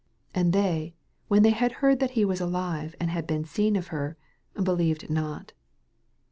11 And they, when they had heard that he was alive, and had been seen of her, believed not.